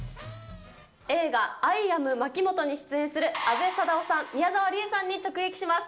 映画、アイ・アムまきもとに出演する阿部サダヲさん、宮沢りえさんに直撃します。